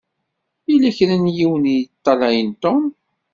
Yella kra n yiwen i yeṭṭalayen Tom.